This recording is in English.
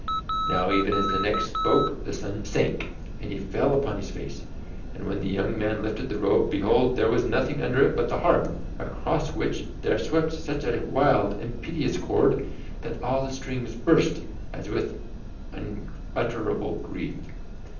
Now even as the Neck spoke the sun sank, and he fell upon his face. And when the young man lifted the robe, behold there was nothing under it but the harp, across which there swept such a wild and piteous chord that all the strings burst as if with unutterable grief.